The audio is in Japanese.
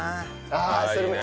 ああそれも。